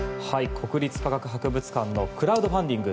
国立科学博物館のクラウドファンディング。